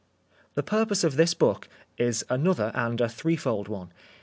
The purpose of this book is another and a threefold one.